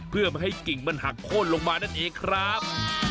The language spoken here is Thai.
เพื่อไม่ให้กิ่งมันหักโค้นลงมานั่นเองครับ